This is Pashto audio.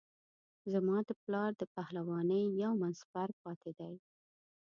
زما د پلار د پهلوانۍ یو من سپر پاته دی.